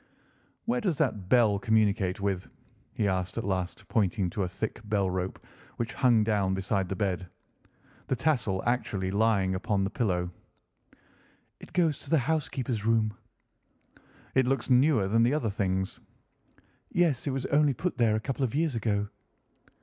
"Where does that bell communicate with?" he asked at last pointing to a thick bell rope which hung down beside the bed, the tassel actually lying upon the pillow. "It goes to the housekeeper's room." "It looks newer than the other things?" "Yes, it was only put there a couple of years ago."